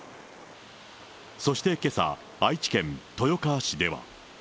そしてけさ、愛知県豊川市では。